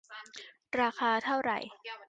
ราคาเท่าไหร ?